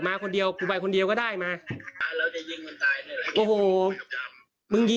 มาคนเดียวกูไปคนเดียวก็ได้มาอ่าแล้วจะยิงวันจันทร์ได้หรือไง